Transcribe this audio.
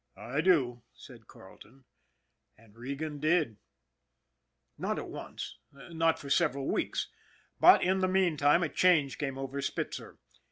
" I do," said Carleton. And Regan did. Not at once, not for several weeks. But in the mean time a change came over Spitzer.